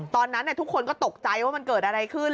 ตอนนั้นทุกคนก็ตกใจว่ามันเกิดอะไรขึ้น